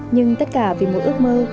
nhưng tất cả vì một ước mơ